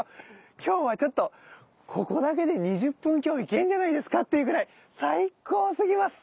今日はちょっとここだけで２０分強行けんじゃないですかっていうぐらい最高すぎます！